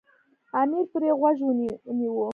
امیر پرې غوږ ونه نیوی.